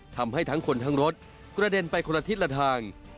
ทำให้ทั้งคนทั้งรถกระเด็นไปคนละทิศละทาง